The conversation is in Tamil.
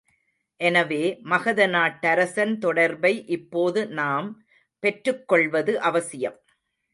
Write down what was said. எனவே, மகத நாட்டரசன் தொடர்பை இப்போது நாம் பெற்றுக் கொள்வது அவசியம்.